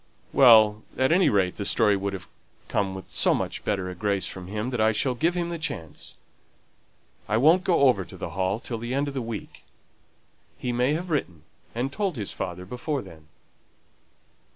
"Well, at any rate, the story would come with so much better a grace from him that I shall give him the chance; I won't go over to the Hall till the end of the week; he may have written and told his father before then."